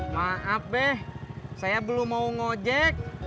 maaf beh saya belum mau ngojek